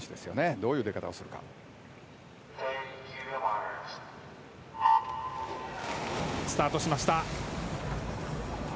どういう出方をするか。スタートしました。